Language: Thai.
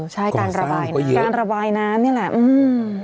ใช่การระบายน้ำการระบายน้ำนี่แหละอืม